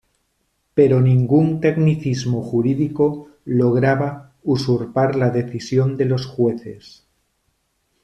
Pero ningún tecnicismo jurídico lograba usurpar la decisión de los jueces.